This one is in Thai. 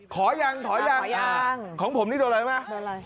ขอยังขอยังของผมนี่โดนอะไรไหม